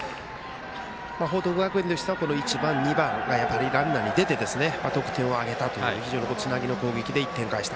報徳学園としては１番、２番がランナーに出て得点を挙げたという非常につなぎの攻撃で１点を返した。